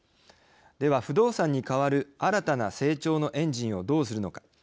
では不動産に変わる新たな成長のエンジンをどうするのか。